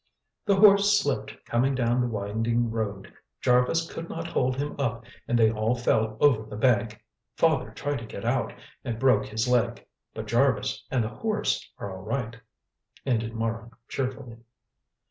"The horse slipped coming down the winding road. Jarvis could not hold him up and they all fell over the bank. Father tried to get out, and broke his leg. But Jarvis and the horse are all right," ended Mara cheerfully.